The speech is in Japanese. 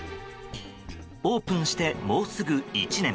オープンして、もうすぐ１年。